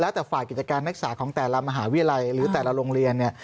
แล้วแต่ฝ่ายกิจการนักศึกษาของแต่ละมหาวิทยาลัยหรือแต่ละโรงเรียนเนี่ย